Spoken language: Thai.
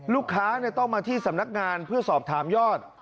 ลูกค้าต้องมาที่สำนักงานเพื่อสอบถามยอด